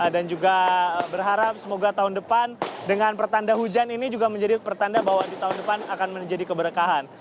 dan juga berharap semoga tahun depan dengan pertanda hujan ini juga menjadi pertanda bahwa di tahun depan akan menjadi keberkahan